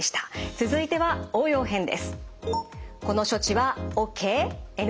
続いては応用編です。